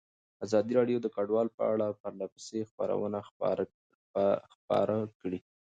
ازادي راډیو د کډوال په اړه پرله پسې خبرونه خپاره کړي.